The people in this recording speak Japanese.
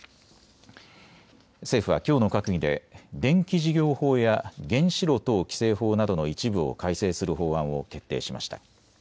政府はきょうの閣議で電気事業法や原子炉等規制法などの一部を改正する法案を決定しました。